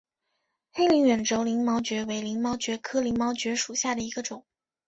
黑鳞远轴鳞毛蕨为鳞毛蕨科鳞毛蕨属下的一个种。